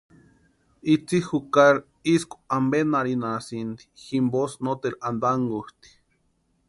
Itsï jukari isku ampenharhinhasïnti jimposï noteru antankutʼi.